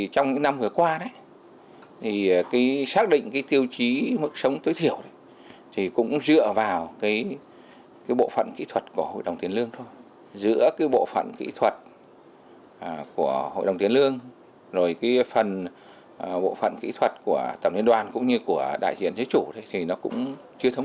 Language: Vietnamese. tuy nhiên tính đến thời điểm này định nghĩa và cách tính mức sống tối thiểu như hiện nay vẫn chưa rõ ràng